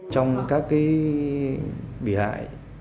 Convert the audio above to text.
trong các cái bị hại